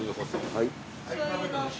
はい。